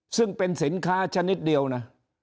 ซึ่งเป็นสินค้าชนิดเดียวนะ